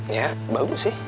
ya bagus sih